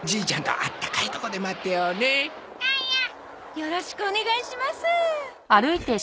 よろしくお願いします。